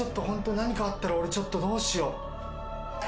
ホントに何かあったら俺ちょっとどうしよう？